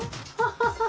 ハハハ。